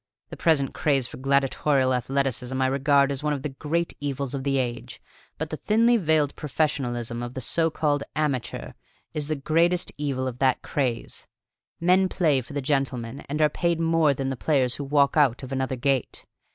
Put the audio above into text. The present craze for gladiatorial athleticism I regard as one of the great evils of the age; but the thinly veiled professionalism of the so called amateur is the greatest evil of that craze. Men play for the gentlemen and are paid more than the players who walk out of another gate.